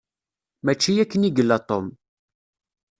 Mačči akken i yella Tom.